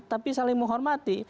tapi saling menghormati